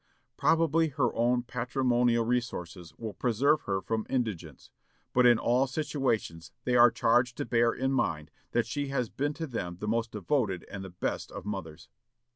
Probably her own patrimonial resources will preserve her from indigence. But in all situations they are charged to bear in mind that she has been to them the most devoted and best of mothers."